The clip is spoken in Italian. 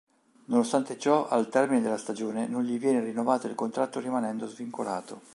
Nonostante ciò, al termine della stagione, non gli viene rinnovato il contratto rimanendo svincolato.